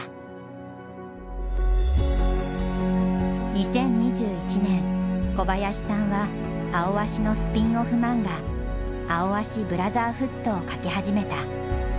２０２１年小林さんは「アオアシ」のスピンオフマンガ「アオアシブラザーフット」を描き始めた。